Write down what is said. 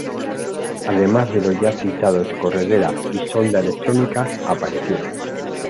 Además de los ya citados corredera y sonda electrónicas aparecieron